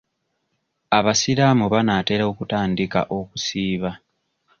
Abasiraamu banaatera okutandika okusiiba.